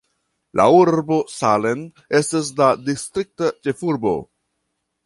La urbo Salem estas la distrikta ĉefurbo.